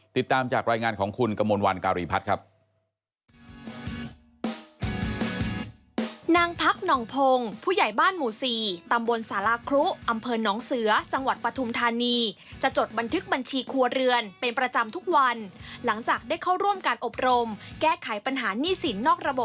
ติดตามจากรายงานของคุณกมลวันการีพัฒน์ครับ